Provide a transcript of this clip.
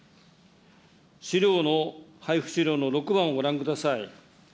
資料の、配布資料の６番をご覧ください。